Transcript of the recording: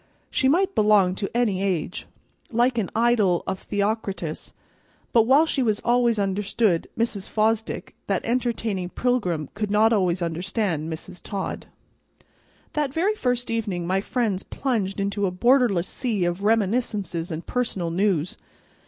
She might belong to any age, like an idyl of Theocritus; but while she always understood Mrs. Fosdick, that entertaining pilgrim could not always understand Mrs. Todd. That very first evening my friends plunged into a borderless sea of reminiscences and personal news.